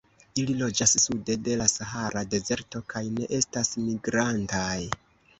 Ili loĝas sude de la Sahara Dezerto kaj ne estas migrantaj.